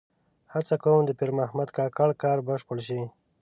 هڅه کوم د پیر محمد کاکړ کار بشپړ شي.